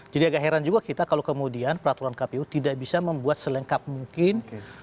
jadi agak heran juga kita kalau kemudian peraturan kpu tidak bisa membuat selengkap mungkin